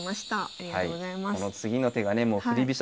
ありがとうございます。